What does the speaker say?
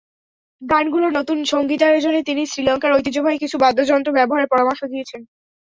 গানগুলোর নতুন সংগীতায়োজনে তিনি শ্রীলঙ্কার ঐতিহ্যবাহী কিছু বাদ্যযন্ত্র ব্যবহারের পরামর্শ দিয়েছেন।